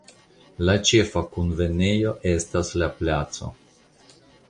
La ĉefa kunvenejo estas la Placo.